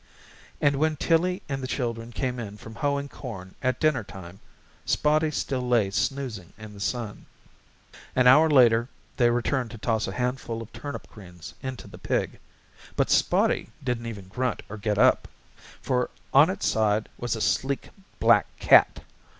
And when Tillie and the children came in from hoeing corn at dinner time Spotty still lay snoozing in the sun. An hour later they returned to toss a handful of turnip greens into the pig. But Spotty didn't even grunt or get up, for on its side was a sleek black cat.